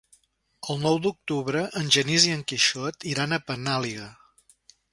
El nou d'octubre en Genís i en Quixot iran a Penàguila.